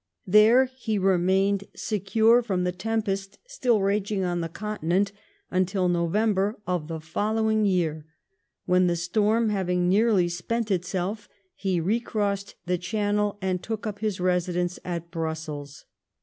There he remained secure from the tempest still raging on the Continent, until November of the following year, when, the storm having nearly spent itself, he recrossed the cnannel, and took uj) his residence at Brussels.